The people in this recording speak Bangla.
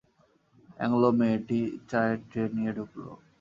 অ্যাংলো মেয়েটি চায়ের ট্রে নিয়ে ঢুকল।